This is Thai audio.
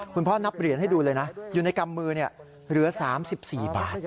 นับเหรียญให้ดูเลยนะอยู่ในกำมือเหลือ๓๔บาท